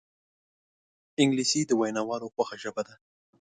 انګلیسي د ویناوالو خوښه ژبه ده